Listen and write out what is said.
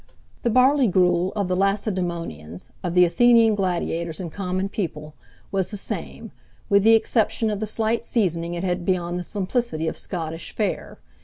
The barley gruel of the Lacedaemonians, of the Athenian gladiators and common people, was the same, with the exception of the slight seasoning it had beyond the simplicity of Scottish fare.